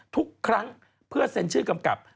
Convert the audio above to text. ทุกครั้งเพื่อเซ็นชื่อกำกับ